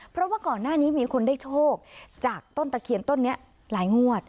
เพราะว่าก่อนหน้านี้มีคนได้โชคจากต้นตะเคียนต้นนี้หลายงวด